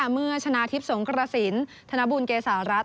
เมื่อชนะทิพย์สงกระสินธนบุญเกษารัฐ